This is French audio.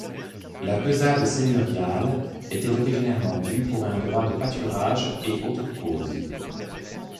La pesade seigneuriale était originairement dû pour un droit de pâturages et autres causes.